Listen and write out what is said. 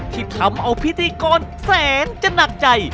ที่ทำเอาพิธีกรแสนจะหนักใจ